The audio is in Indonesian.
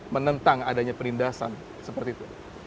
menentang adanya perindasan seperti itu